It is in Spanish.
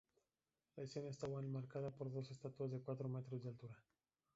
La escena estaba enmarcada por dos estatuas de cuatro metros de altura.